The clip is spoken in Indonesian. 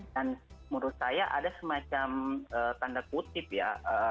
dan menurut saya ada semacam tanda kutip ya